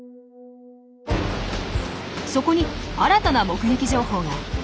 そこに新たな目撃情報が。